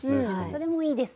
それもいいですね。